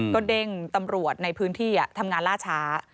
ก็เด้งตำรวจในพื้นที่ทำงานล่าช้า